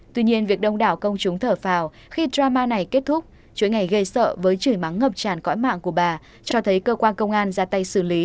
tuy nhiên việc đông đảo công chúng thở phào khi drama này kết thúc chuỗi ngày gây sợ với chửi mắng ngập tràn cõi mạng của bà cho thấy cơ quan công an ra tay xử lý